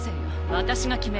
私が決める。